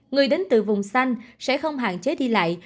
người đến từ vùng xanh sẽ không hạn chế đi lại